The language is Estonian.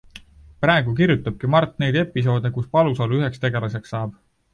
Praegu kirjutabki Mart neid episoode, kus Palusalu üheks tegelaseks saab.